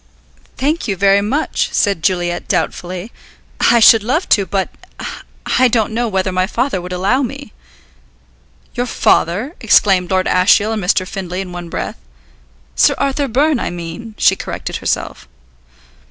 "Thank you very much," said Juliet doubtfully. "I should love to, but I don't know whether my father would allow me." "Your father?" exclaimed Lord Ashiel and Mr. Findlay in one breath. "Sir Arthur Byrne, I mean," she corrected herself.